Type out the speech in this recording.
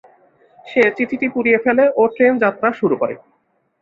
সে চিঠিটি পুড়িয়ে ফেলে ও ট্রেন যাত্রা শুরু করে।